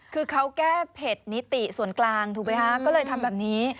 คือเขาแก้เพจนิติส่วนกลางถูกไหมคะก็เลยทำแบบนี้